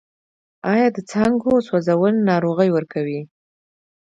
آیا د څانګو سوځول ناروغۍ ورکوي؟